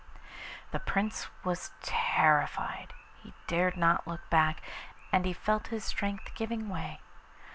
The Prince was terrified; he dared not look back, and he felt his strength giving way.